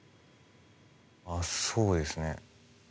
あっそうですね。